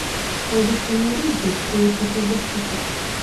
Побач са мной людзі, у якіх я вучуся.